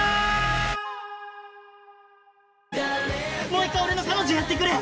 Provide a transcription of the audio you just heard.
もう１回俺の彼女やってくれ！